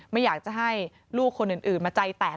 ไม่อยากจะให้ลูกคนอื่นมาใจแตก